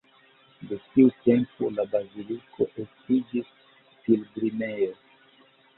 De tiu tempo la baziliko estiĝis pilgrimejo.